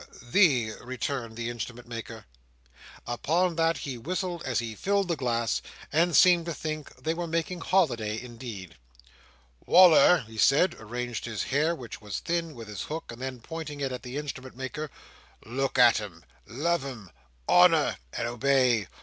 "The," returned the Instrument maker. Upon that he whistled as he filled his glass, and seemed to think they were making holiday indeed. "Wal"r!" he said, arranging his hair (which was thin) with his hook, and then pointing it at the Instrument maker, "Look at him! Love! Honour! And Obey!